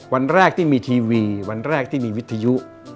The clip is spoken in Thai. วันแรกที่มีทีวีวันแรกที่มีวิทยุ